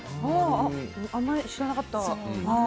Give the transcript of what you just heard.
あんまり知らなかった。